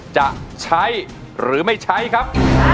จะใช้หรือไม่ใช้ครับ